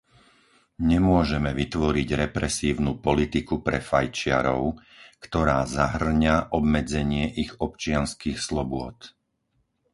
Nemôžeme vytvoriť represívnu politiku pre fajčiarov, ktorá zahŕňa obmedzenie ich občianskych slobôd.